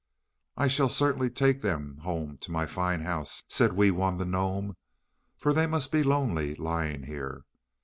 "I shall certainly take them home to my fine house," said Wee Wun the gnome, "for they must be lonely lying here.